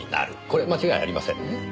これ間違いありませんね？